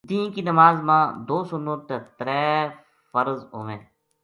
دینہہ کی نماز ما دو سنت تے ترے فدرض ہوویں۔